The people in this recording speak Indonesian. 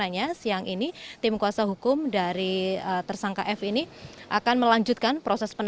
ahli bahasa ahli dari kementerian